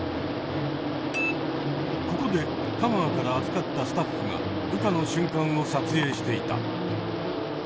ここで香川から預かったスタッフが羽化のしゅんかんを撮影していた。